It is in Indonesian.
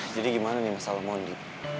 jadi gimana nih masalah mondi